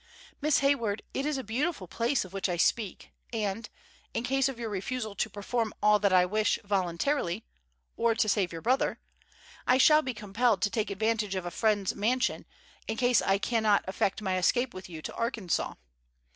Miss Hayward, it is a beautiful place of which I speak, and, in case of your refusal to perform all that I wish voluntarily, or to save your brother, I shall be compelled to take advantage of a friend's mansion, in case I can not effect my escape with you to Arkansas.